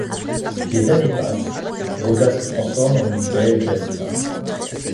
Les années passent, Rosa se transforme en une belle jeune femme.